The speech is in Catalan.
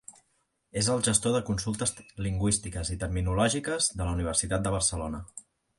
És el gestor de consultes lingüístiques i terminològiques de la Universitat de Barcelona.